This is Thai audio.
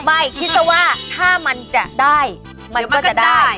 ไม่คิดซะว่าถ้ามันจะได้มันก็จะได้